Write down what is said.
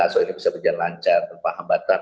asal ini bisa berjalan lancar berpaham batas